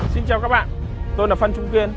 xin chào các bạn tôi là phan trung kiên